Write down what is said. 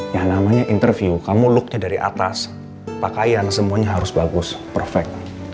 yang namanya interview kamu looknya dari atas pakaian semuanya harus bagus perfect